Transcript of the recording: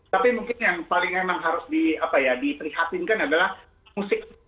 tapi mungkin yang paling memang harus diprihatinkan adalah musik